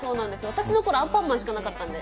私のころはアンパンマンしかなかったんで。